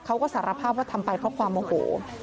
เขาก็สารภาพว่าทำไปเพราะความโมโห